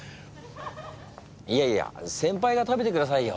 いやいや先輩が食べてくださいよ。